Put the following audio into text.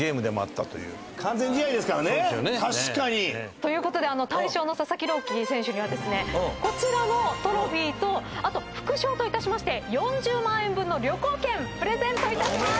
ということで大賞の佐々木朗希選手にはですねこちらのトロフィーと副賞としまして４０万円分の旅行券プレゼントいたします。